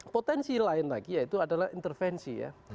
potensi lain lagi yaitu adalah intervensi ya